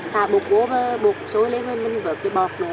thả bột vô và bột sôi lên rồi mình vỡ cái bọt đó